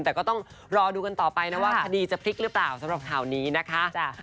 แต่ก็ต้องรอดูกันต่อไปนะว่าคดีจะพลิกหรือเปล่าสำหรับข่าวนี้นะคะ